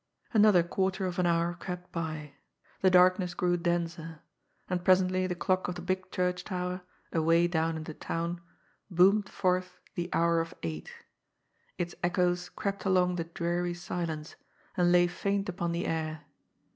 Another quarter of an hour crept by. The darkness grew denser. And presently the clock of the big church tower — away down in the town — boomed forth the hour of eight. Its echoes crept along the dreary silence, and lay faint upon the air.